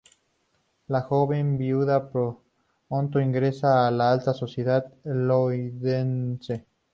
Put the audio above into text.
La joven viuda pronto ingresa a la alta sociedad londinense.